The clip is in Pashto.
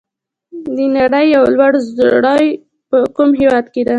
د نړۍ ډېر لوړ ځړوی په کوم هېواد کې دی؟